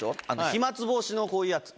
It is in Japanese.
飛沫防止のこういうやつ。